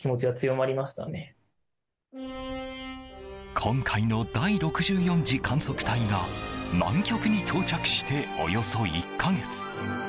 今回の第６４次観測隊が南極に到着して、およそ１か月。